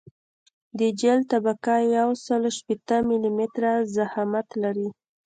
د جغل طبقه یوسل شپیته ملي متره ضخامت لري